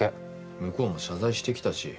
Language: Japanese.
向こうも謝罪してきたし